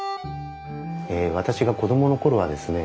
私が子供の頃はですね